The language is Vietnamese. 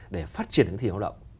để phát triển hướng thị hội động